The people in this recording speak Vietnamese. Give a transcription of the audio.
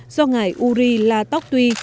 do ngày yuri latokty